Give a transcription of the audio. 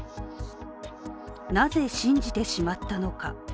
なぜ信じてしまったのか。